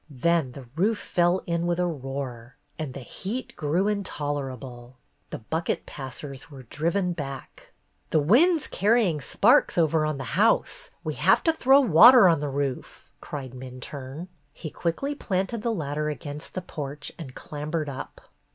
Then the roof fell in with a roar, and the heat grew intolerable. The bucket passers were driven back. ''The wind's carrying sparks over on the house. We '11 have to throw water on the roof," cried Minturne. He quickly planted the ladder against the porch and clambered up.